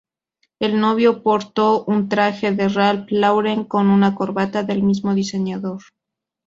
El novio portó un traje de Ralph Lauren con una corbata del mismo diseñador.